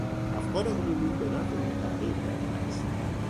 افکار عمومی به نفع او تغییر کرده است.